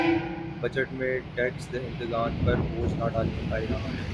budget میں tax دہندگان پر بوجھ نہ ڈالنے کا اعلان